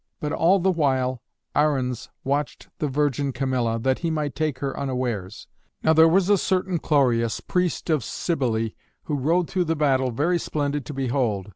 But all the while Arruns watched the virgin Camilla, that he might take her unawares. Now there was a certain Chloreus, priest of Cybelé, who rode through the battle, very splendid to behold.